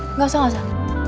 eh gak usah gakusah